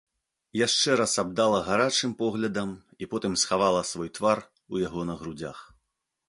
Яшчэ раз абдала гарачым поглядам і потым схавала свой твар у яго на грудзях.